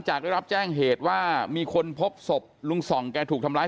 ได้รับแจ้งเหตุว่ามีคนพบศพลุงส่องแกถูกทำร้าย